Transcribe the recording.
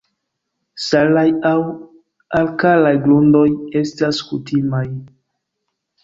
Salaj aŭ alkalaj grundoj estas kutimaj.